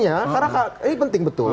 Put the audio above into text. ini penting betul